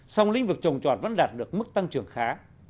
song lĩnh vực trồng trọt vẫn đạt được mức tăng trưởng khá